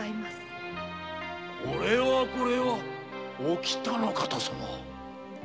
これはこれはお喜多の方様。